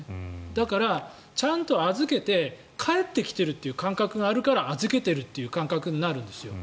だから、ちゃんと預けて返ってきている感覚があるから預けているという感覚になるんですよ。